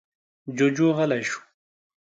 جوجو غلی شو.